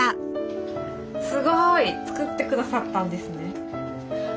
すごい作ってくださったんですね。